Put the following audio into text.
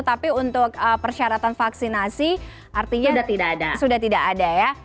tapi untuk persyaratan vaksinasi artinya sudah tidak ada ya